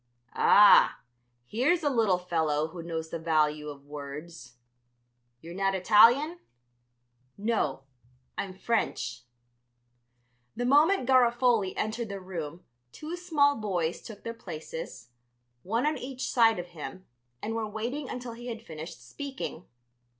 "Ah, here's a little fellow who knows the value of words. You're not Italian?" "No, I'm French." The moment Garofoli entered the room two small boys took their places, one on each side of him, and were waiting until he had finished speaking.